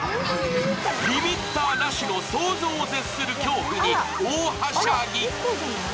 リミッターなしの想像を絶する恐怖に大はしゃぎ。